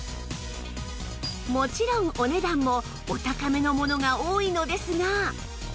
もちろんお値段もお高めのものが多いのですが